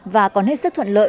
và còn hết sức thuận lợi